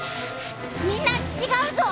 みんな違うぞ！